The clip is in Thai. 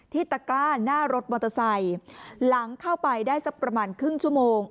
ตะกร้าหน้ารถมอเตอร์ไซค์หลังเข้าไปได้สักประมาณครึ่งชั่วโมง